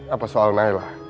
apa soal nailah